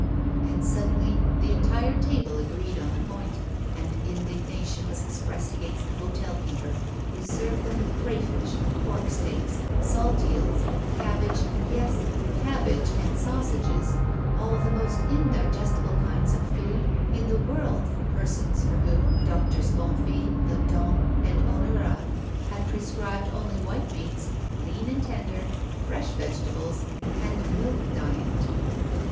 And suddenly the entire table agreed on the point, and indignation was expressed against the hotel keeper, who served them with crayfish, porksteaks, salt eels, cabbage, yes, cabbage and sausages, all the most indigestible kinds of food in the world for persons for whom Doctors Bonnefille, Latonne, and Honorat had prescribed only white meats, lean and tender, fresh vegetables, and milk diet.